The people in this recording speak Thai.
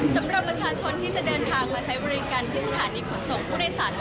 สำหรับประชาชนที่จะเดินทางมาใช้บริการที่สถานีขนส่งผู้โดยสาร